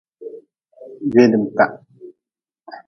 Gweedmta.